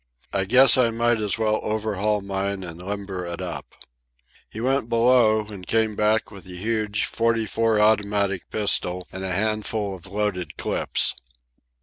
I guess I might as well overhaul mine and limber it up." He went below and came back with a huge '44 automatic pistol and a handful of loaded clips.